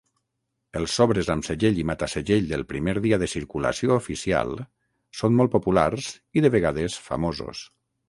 Els sobres amb segell i mata-segell del primer dia de circulació oficial són molt populars i, de vegades, famosos.